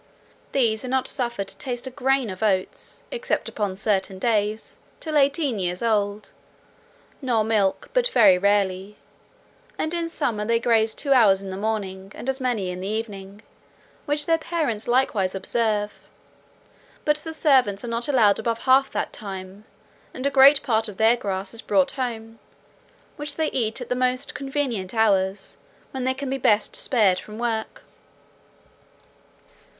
These are not suffered to taste a grain of oats, except upon certain days, till eighteen years old; nor milk, but very rarely; and in summer they graze two hours in the morning, and as many in the evening, which their parents likewise observe; but the servants are not allowed above half that time, and a great part of their grass is brought home, which they eat at the most convenient hours, when they can be best spared from work.